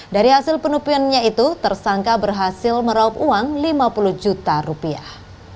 dari hasil penupiannya itu tersangka berhasil meraup uang lima puluh juta rupiah